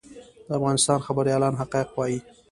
د افغانستان خبریالان حقایق وايي